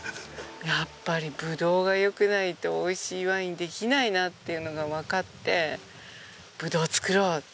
やっぱりブドウが良くないとおいしいワインできないなっていうのがわかってブドウ作ろう。